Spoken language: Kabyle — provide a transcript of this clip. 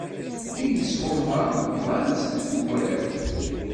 Inesɣuma bḍantt deg ugraw.